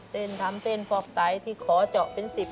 เล่นทำเต้นฟอกไตที่ขอเจาะเป็น๑๐